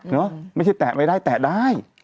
นึกว่าไม่ใช่แตะไว้ได้แตะได้